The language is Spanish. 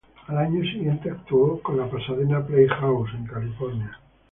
Al año siguiente actuó con la Pasadena Playhouse en California.